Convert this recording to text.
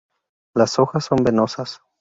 Las hojas son venosas.